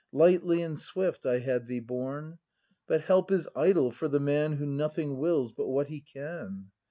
Lightly and swift I had thee borne; — But help is idle for the man Who nothing wills but what he can.